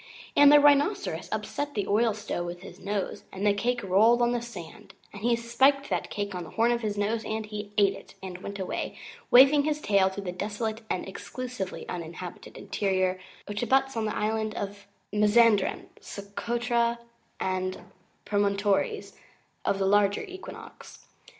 And the Rhinoceros upset the oil stove with his nose, and the cake rolled on the sand, and he spiked that cake on the horn of his nose, and he ate it, and he went away, waving his tail, to the desolate and Exclusively Uninhabited Interior which abuts on the islands of Mazanderan, Socotra, and Promontories of the Larger Equinox.